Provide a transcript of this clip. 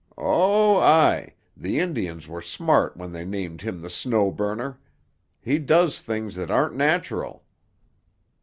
Oh, aye; the Indians were smart when they named him the Snow Burner. He does things that aren't natural."